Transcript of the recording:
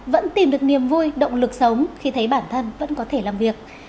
vẫn tìm được niềm vui động lực sống khi thấy bản thân vẫn có thể làm việc